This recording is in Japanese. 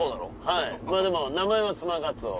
はいまぁでも名前はスマガツオ。